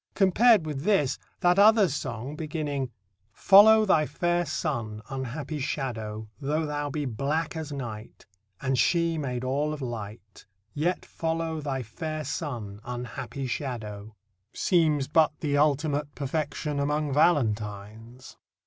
Compared with this, that other song beginning: Follow thy fair sun, unhappy shadow, Though thou be black as night, And she made all of light, Yet follow thy fair sun, unhappy shadow seems but the ultimate perfection among valentines.